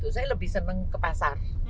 saya lebih senang ke pasar